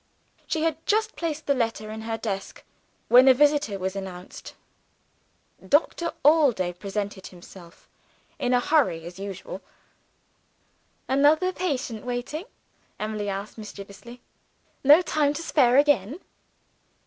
She had just placed the letter in her desk, when a visitor was announced. Doctor Allday presented himself (in a hurry as usual). "Another patient waiting?" Emily asked mischievously. "No time to spare, again?"